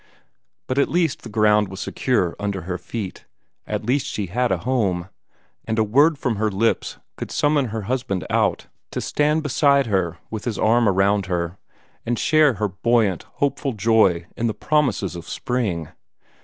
But at least the ground was secure under her feet; at least she had a home, and a word from her lips could summon her husband out, to stand beside her with his arm about her, and share her buoyant, hopeful joy in the promises of spring.